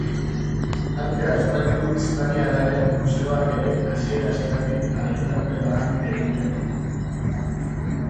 Arte Abstraktu Espainiarraren museoak ere, hasiera-hasieratik, argitalpen lanak egiten ditu.